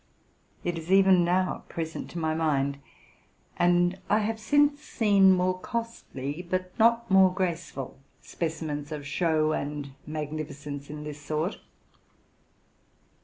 It is even now present to my mind; and [ have since seen more costly, but not more graceful, specimens of show and magnificence in this sort..